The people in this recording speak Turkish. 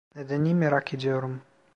Nedenini merak ediyorum.